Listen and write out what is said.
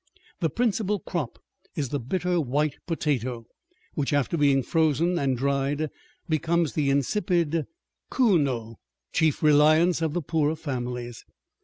The principal crop is the bitter white potato, which, after being frozen and dried, becomes the insipid chuño, chief reliance of the poorer families.